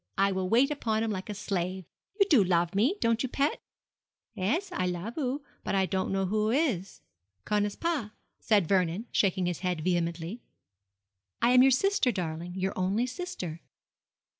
'I will wait upon him like a slave. You do love me, don't you, pet?' 'Ess, I love 'oo, but I don't know who 'oo is. Connais pas,' said Vernon, shaking his head vehemently. 'I am your sister, darling, your only sister.'